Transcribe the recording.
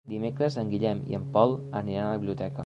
Dimecres en Guillem i en Pol aniran a la biblioteca.